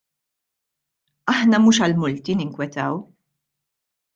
Aħna mhux għall-multi ninkwetaw.